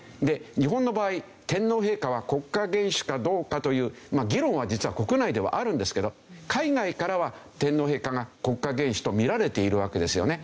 日本の場合天皇陛下は国家元首かどうかという議論は実は国内ではあるんですけど海外からは天皇陛下が国家元首と見られているわけですよね。